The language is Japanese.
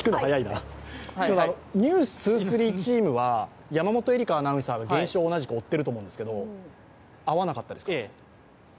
「ｎｅｗｓ２３」チームは山本恵里伽アナウンサーが現象を同じく追ってると思いますが、会わなかったですか？